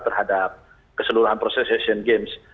terhadap keseluruhan proses asian games